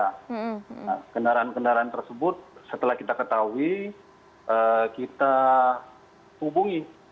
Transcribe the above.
nah kendaraan kendaraan tersebut setelah kita ketahui kita hubungi